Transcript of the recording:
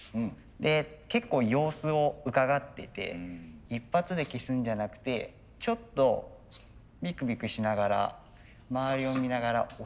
で結構様子をうかがっていて一発で消すんじゃなくてちょっとびくびくしながら周りを見ながら押します。